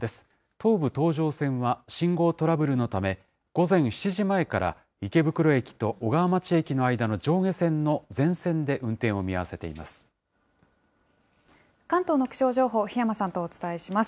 東武東上線は信号トラブルのため、午前７時前から池袋駅と小川町駅の間の上下線の全線で運転を見合関東の気象情報、檜山さんとお伝えします。